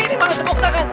ini banget sepuk tangan